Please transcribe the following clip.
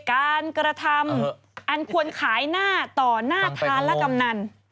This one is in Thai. กระทำอันควรขายหน้าต่อหน้าทานและกำนัน